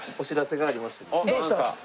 どうした？